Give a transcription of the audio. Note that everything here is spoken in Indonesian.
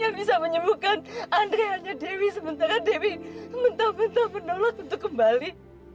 yang bisa menyembuhkan andre hanya dewi sementara dewi mentah mentah menolak untuk kembali